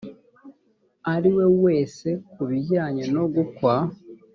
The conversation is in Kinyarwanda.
ariwe wese ku bijyanye nogukwa